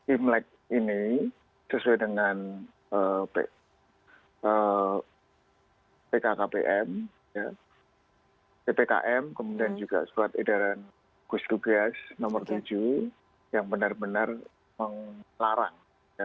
imlek ini sesuai dengan pkkpm ppkm kemudian juga surat edaran gustugas no tujuh yang benar benar menglarang